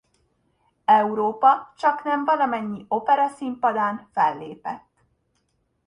Európa csaknem valamennyi operaszínpadán fellépett.